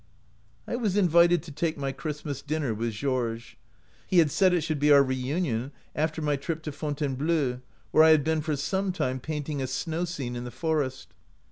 " I was invited to take my Christmas din ner with Georges. He had said it should be our reunion after my trip to Fontaine bleau, where I had been for some time paint ing a snow scene in the forest.